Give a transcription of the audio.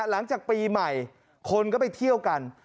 หลังจากปีใหม่คนก็ไปเที่ยวกัน